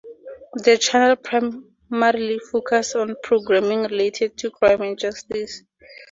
The channel primarily focuses on programming related to crime and justice.